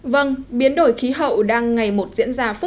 vâng biến đổi khí hậu đang ngày một diễn ra phức tạp hơn